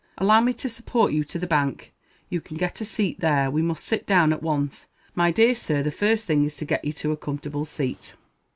Allow me to support you to the bank. You can get a seat there; we must sit down at once. My dear sir, the first thing is to get you to a comfortable seat."